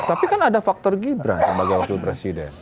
tapi kan ada faktor gibran sebagai wakil presiden